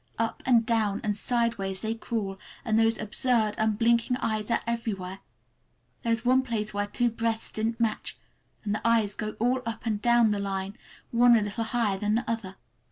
Up and down and sideways they crawl, and those absurd, unblinking eyes are everywhere. There is one place where two breadths didn't match, and the eyes go all up and down the line, one a little higher than the other.